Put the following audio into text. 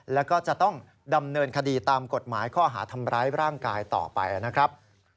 แล้วก็จะต้องดำเนินคดีตามกฎหมายข้อหาทำร้ายร่างกายต่อไปนะครับ